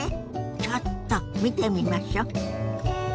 ちょっと見てみましょ。